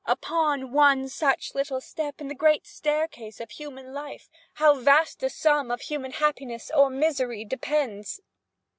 Upon one such little step in the great staircase of human life how vast a sum of human happiness or misery depends!